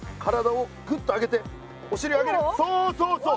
そうそうそう！